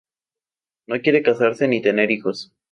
No quiere casarse ni tener hijos.